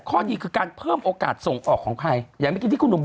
ข้อดีคือการเพิ่มโอกาสส่งออกของไทยอย่างที่คุณหนุ่มบอก